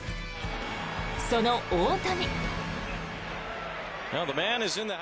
その大谷。